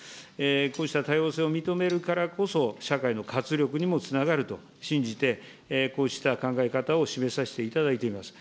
こうした多様性を認めるからこそ、社会の活力にもつながると信じて、こうした考え方を示させていただいております。